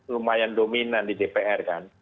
lumayan dominan di dpr kan